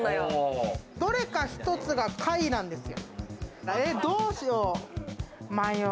どれか１つが下位なんですよ。